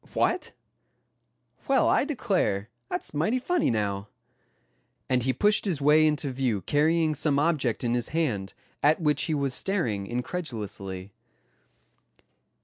What! Well, I declare that's mighty funny now," and he pushed his way into view carrying some object in his hand, at which he was staring incredulously.